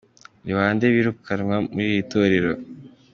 Ni bande birukanwa muri iri torero ?.